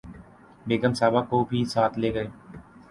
بیگم صاحبہ کو بھی ساتھ لے گئے